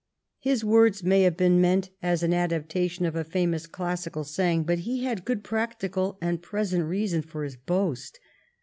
His words may have been meant as an adaptation of a famous classical saying, but he had good practical and present reason for his boast.